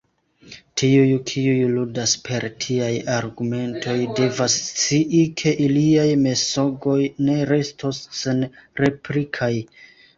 Tiuj, kiuj ludas per tiaj argumentoj, devas scii, ke iliaj mensogoj ne restos senreplikaj.